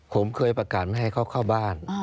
ผมเคยประกาศไม่ให้เขาเข้าบ้าน